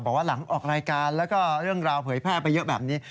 บอกว่าหลังออกรายการแล้วก็เรื่องราวเผยแพร่ไปเยอะแบบนี้